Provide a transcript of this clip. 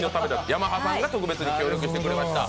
ヤマハさんが特別に協力してくれました。